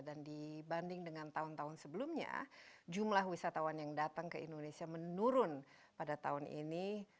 dan dibanding dengan tahun tahun sebelumnya jumlah wisatawan yang datang ke indonesia menurun pada tahun ini